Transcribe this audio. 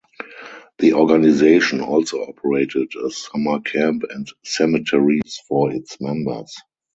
The organization also operated a summer camp and cemeteries for its members.